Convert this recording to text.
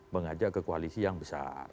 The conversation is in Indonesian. mengajak ke koalisi yang besar